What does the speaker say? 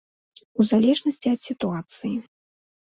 У залежнасці ад сітуацыі.